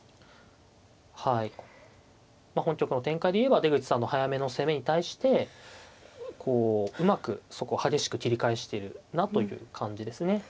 はいまあ本局の展開で言えば出口さんの早めの攻めに対してこううまくそこを激しく切り返してるなという感じですね。